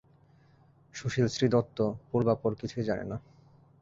সুশীল শ্রীদত্ত পূর্বাপর কিছুই জানে না।